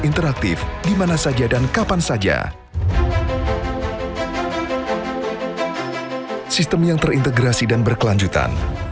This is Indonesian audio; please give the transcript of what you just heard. interaktif dimana saja dan kapan saja sistem yang terintegrasi dan berkelanjutan